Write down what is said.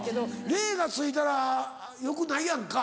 霊がついたらよくないやんか。